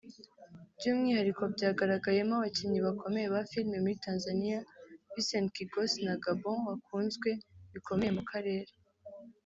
by’umwihariko byagaragayemo abakinnyi bakomeye ba filime muri Tanzania Vincent Kigosi na Gabon bakunzwe bikomeye mu Karere